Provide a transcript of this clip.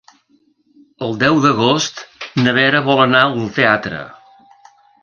El deu d'agost na Vera vol anar al teatre.